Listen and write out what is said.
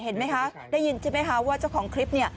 เห็นมั้ยคะได้ยินใช่มั้ยคะว่าเจ้าของคลิป